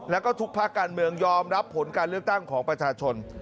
แล้วก็ทุกภาคการเมืองยอมรับผลการเลือกตั้งของประชาชน